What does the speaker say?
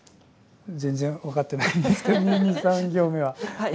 全然分かってないんですけど２３行目は。